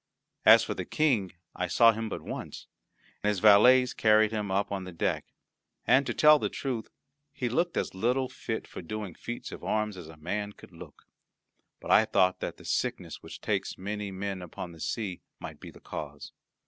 As for the King, I saw him but once. His valets carried him up on the deck; and, to tell the truth, he looked as little fit for doing feats of arms as man could look. But I thought that the sickness which takes many men upon the sea might be the cause.